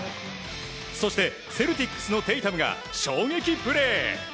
そして、セルティックスのテイタムが衝撃プレー。